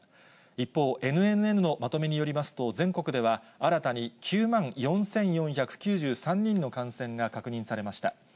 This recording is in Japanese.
一方、ＮＮＮのまとめによりますと、全国では、新たに９万４４９３人の感染が確認されました。